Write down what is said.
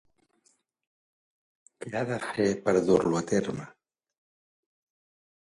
Què ha de fer per dur-lo a terme?